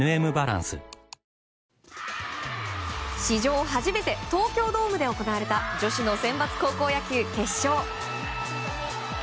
史上初めて東京ドームで行われた女子のセンバツ高校野球決勝。